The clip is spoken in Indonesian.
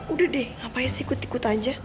udah deh ngapain sih ikut ikut aja